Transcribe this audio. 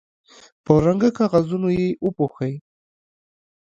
په رنګه کاغذونو یې وپوښوئ.